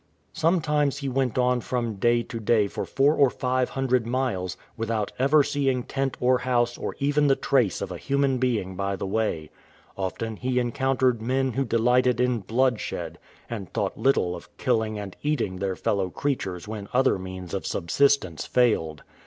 *" Sometimes he went on from day to day for four or five hundred miles, without ever seeing tent or house or even the trace of a human being by the way. Often he encountered men who delighted in bloodshed, and thought little of killing and eating their fellow creatures when other means of subsistence failed.